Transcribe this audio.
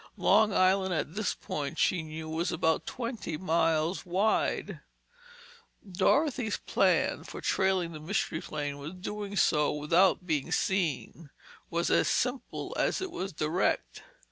Long Island, at this point, she knew was about twenty miles wide. Dorothy's plan for trailing the Mystery Plane and doing so without being seen, was as simple as it was direct.